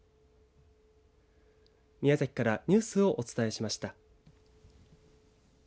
宮崎からニュースをお伝えしました。